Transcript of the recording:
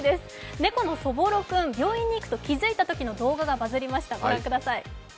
猫のそぼろ君、病院に行くと察知したときの様子がバズりました。